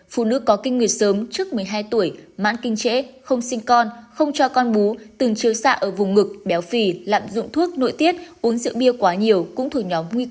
phụ nữ có kinh nguyệt sớm trước một mươi hai tuổi mãn kinh trễ không sinh con không cho con bú từng chiêu xạ ở vùng ngực béo phì lạm dụng thuốc nội tiết uống rượu bia quá nhiều cũng thuộc nhóm nguy cơ ung thư vú cao